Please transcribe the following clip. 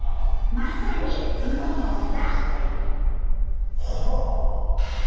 まさにプロの技！